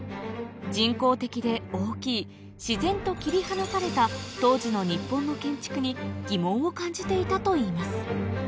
人工的で大きい自然と切り離された当時の日本の建築に疑問を感じていたといいます